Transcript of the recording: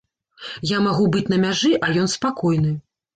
Я магу быць на мяжы, а ён спакойны.